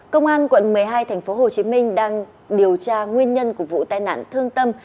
công an quận một mươi hai tp hcm đang điều tra nguyên nhân của vụ tai nạn thương tâm